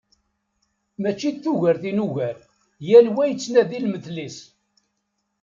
Mačči d tugert i nugar, yal wa yettnadi lmetl-is.